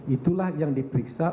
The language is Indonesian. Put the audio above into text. itulah yang diperiksa